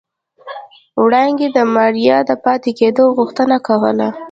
وړانګې د ماريا د پاتې کېدو غوښتنه وکړه.